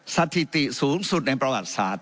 สถิติสูงสุดในประวัติศาสต